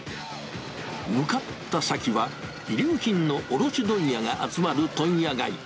向かった先は、衣料品の卸問屋が集まる問屋街。